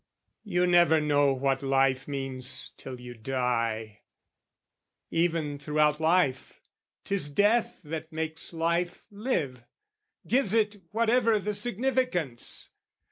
You never know what life means till you die: Even throughout life, 'tis death that makes life live, Gives it whatever the significance.